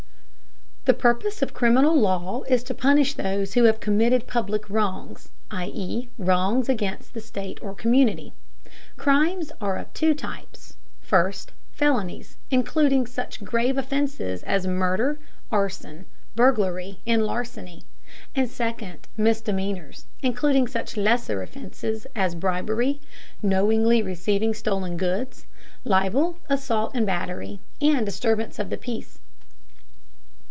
The purpose of criminal law is to punish those who have committed public wrongs, i.e. wrongs against the state or community. Crimes are of two types: first, felonies, including such grave offences as murder, arson, burglary, and larceny; and second, misdemeanors, including such lesser offenses as bribery, knowingly receiving stolen goods, libel, assault and battery, and disturbance of the peace.